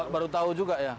baru tahu juga ya